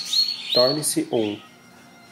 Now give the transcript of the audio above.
Torne-se um